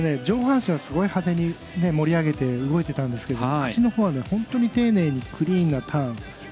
上半身はすごい派手に盛り上げて動いていたんですが足のほうは本当に丁寧にクリーンなターン。